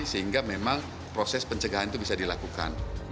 sehingga memang proses pencegahan itu bisa dilakukan